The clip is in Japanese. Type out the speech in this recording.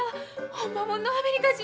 ほんまもんのアメリカ人。